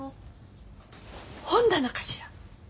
本棚かしら？